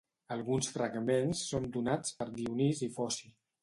Alguns fragments són donats per Dionís i Foci.